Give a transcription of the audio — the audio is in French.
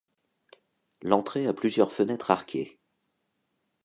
L'entrée a plusieurs fenêtres arquées.